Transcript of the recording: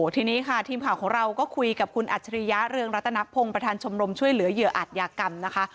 ทีนี้ค่ะทีมข่าวของเราก็คุยกับคุณอัจฉริยะเรืองรัตนพงศ์ประธานชมรมช่วยเหลือเหยื่ออัตยากรรมนะคะ